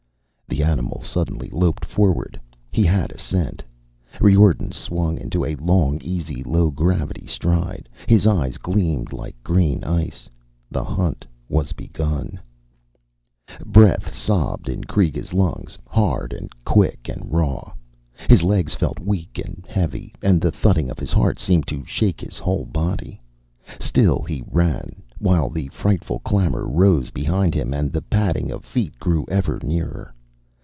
The animal suddenly loped forward. He had a scent. Riordan swung into a long, easy low gravity stride. His eyes gleamed like green ice. The hunt was begun! Breath sobbed in Kreega's lungs, hard and quick and raw. His legs felt weak and heavy, and the thudding of his heart seemed to shake his whole body. Still he ran, while the frightful clamor rose behind him and the padding of feet grew ever nearer.